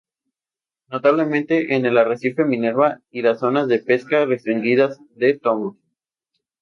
Notablemente en el Arrecife Minerva y las zonas de pesca restringidas de Tonga.